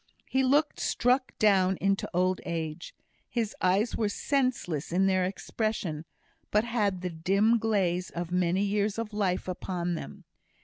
He looked struck down into old age. His eyes were sensible in their expression, but had the dim glaze of many years of life upon them.